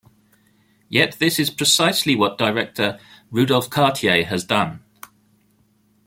Yet this is precisely what director Rudolph Cartier has done.